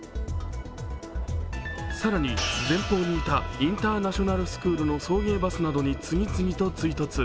更に前方にいたインターナショナルスクールの送迎バスに次々と追突。